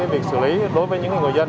việc xử lý đối với những người dân